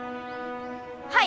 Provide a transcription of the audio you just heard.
はい！